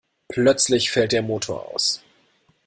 Plötzlich fällt der Motor aus.